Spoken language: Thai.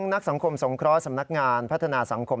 นักสังคมสงเคราะห์สำนักงานพัฒนาสังคม